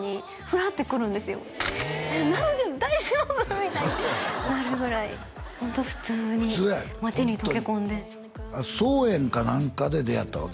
みたいになるぐらいホント普通に街に溶け込んで普通やホントに「装苑」か何かで出会ったわけ？